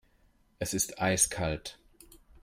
Es ist eiskalt.